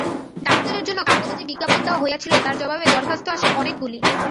ডাক্তারের জন্য কাগজে যে বিজ্ঞাপন দেওয়া হইয়াছিল তার জবাবে দরখাস্ত আসে অনেকগুলি।